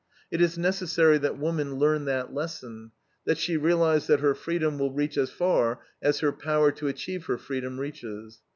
It is necessary that woman learn that lesson, that she realize that her freedom will reach as far as her power to achieve her freedom reaches.